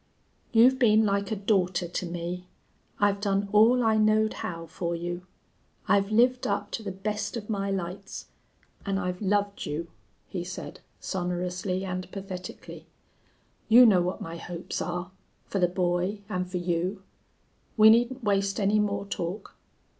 "You've been like a daughter to me. I've done all I knowed how fer you. I've lived up to the best of my lights. An' I've loved you," he said, sonorously and pathetically. "You know what my hopes are fer the boy an' fer you.... We needn't waste any more talk.